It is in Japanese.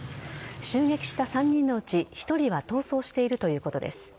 襲撃した３人のうち１人は逃走しているということです。